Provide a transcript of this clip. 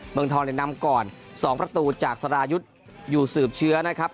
เมืองทองนำก่อน๒ประตูจากสรายุทธ์อยู่สืบเชื้อนะครับ